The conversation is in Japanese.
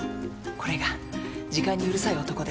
これが時間にうるさい男で。